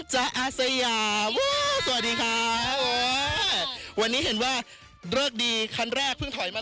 ใช่ค่ะวันนี้ต้องบอกเลยว่า